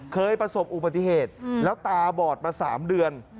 เคยประสบอุบัติเหตุแล้วตาบอดมา๓เดือน